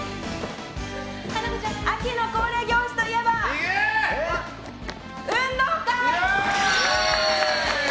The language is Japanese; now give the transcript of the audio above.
秋の恒例行事といえば運動会！